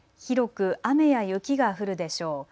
広く雨や雪が降るでしょう。